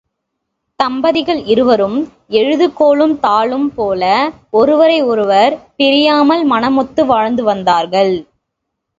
தம்பதிகள் இருவரும் எழுதுகோலும் தாளும் போல ஒருவரை ஒருவர் பிரியாமல் மனமொத்து வாழ்ந்து வந்தார்கள்.